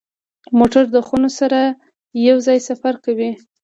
موټر د خونو سره یو ځای سفر کوي.